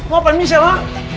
mau apaan misalnya